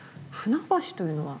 舟橋というのは？